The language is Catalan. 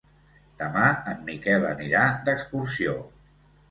Demà en Miquel anirà d'excursió.